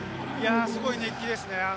すごい熱気ですね。